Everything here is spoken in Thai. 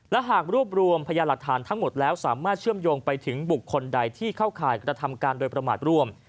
และหากรวบรวมพยาหลักฐานทั้งหมดแล้วสามารถเชื่อมโยงไปถึงบุคคลใดที่เข้าข่ายกระทำการโดยประมาทร่วม